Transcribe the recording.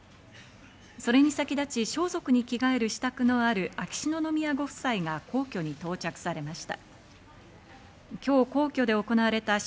それに先立ち、装束に着替える支度のある秋篠宮ご夫妻が皇居に到着されました。